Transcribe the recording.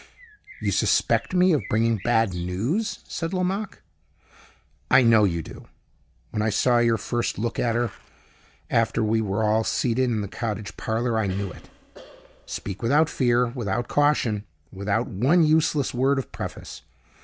"You suspect me, then, of bringing bad news?" said Lomaque. "I know you do. When I saw your first look at her, after we were all seated in the cottage parlor, I knew it. Speak without fear, without caution, without one useless word of preface.